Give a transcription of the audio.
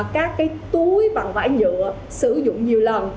các túi bằng vải nhựa sử dụng nhiều lần